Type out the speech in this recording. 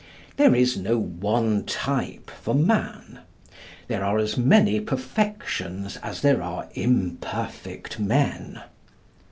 There is no one type for man. There are as many perfections as there are imperfect men.